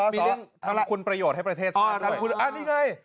มีเรื่องธรรมคุณประโยชน์ให้ประเทศศาสตร์ด้วยอ๋อธรรมคุณอ๋อนี่ไง